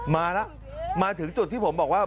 มาแล้วมาถึงจุดที่ผมบอกว่า